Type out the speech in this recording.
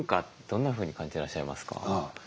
どんなふうに感じてらっしゃいますか？